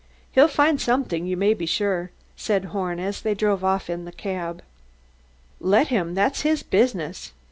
"He'll find something, you may be sure," said Horn, as they drove off in the cab. "Let him that's his business.